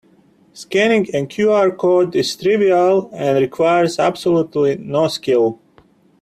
Scanning a QR code is trivial and requires absolutely no skill.